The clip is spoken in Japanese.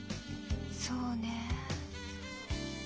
そうねえ。